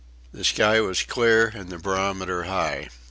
The sky was clear and the barometer high.